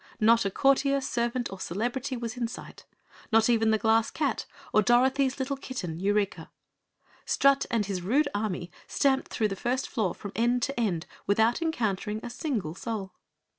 Not a courtier, servant or celebrity was in sight not even the Glass Cat or Dorothy's little kitten Eureka. Strut and his rude army stamped through the first floor from end to end without encountering a single soul.